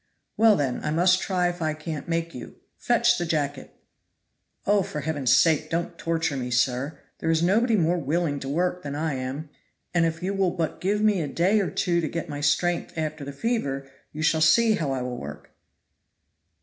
"Well, then, I must try if I can't make you. Fetch the jacket." "Oh! for Heaven's sake don't torture me, sir. There is nobody more willing to work than I am. And if you will but give me a day or two to get my strength after the fever, you shall see how I will work."